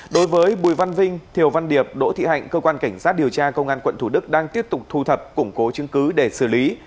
đối với bùi văn vinh thiều văn điệp đỗ thị hạnh cơ quan cảnh sát điều tra công an quận thủ đức đang tiếp tục thu thập củng cố chứng cứ để xử lý